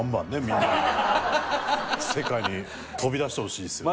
世界に飛び出してほしいですよね。